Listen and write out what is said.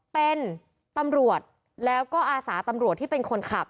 เป็นตำรวจแล้วก็อาสาตำรวจที่เป็นคนขับ